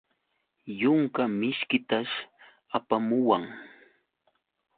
Yunka mishkitash apamuwan.